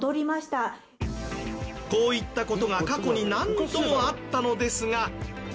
こういった事が過去に何度もあったのですが。